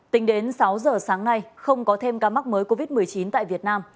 tính đến sáu giờ sáng nay không có thêm ca mắc mới covid một mươi chín tại việt nam